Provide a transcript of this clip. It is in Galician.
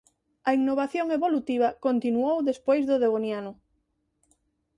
A innovación evolutiva continuou despois do Devoniano.